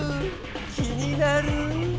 気になる？